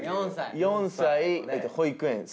４歳保育園。